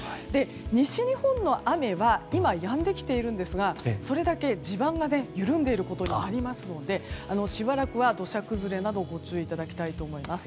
西日本の雨は今、やんできているんですがそれだけ地盤が緩んでいることになりますのでしばらくは土砂崩れなどご注意いただきたいと思います。